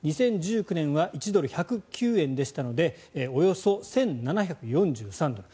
２０１９年は１ドル＝１０９円でしたのでおよそ１７４３ドル。